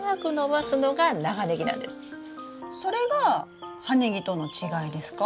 それが葉ネギとの違いですか？